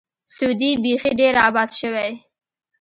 سعودي بیخي ډېر آباد شوی.